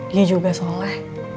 dia juga soleh